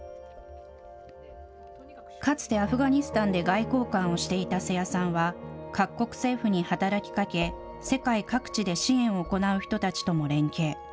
かつてアフガニスタンで外交官をしていた瀬谷さんは、各国政府に働きかけ、世界各地で支援を行う人たちとも連携。